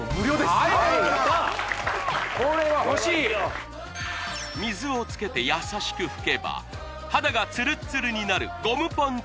これは欲しい水をつけて優しく拭けば肌がつるつるになるゴムポン